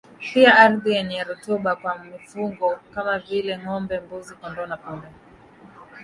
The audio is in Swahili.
pia ardhi yenye rutuba kwa mifungo kama vile ngombe mbuzi kondoo na punda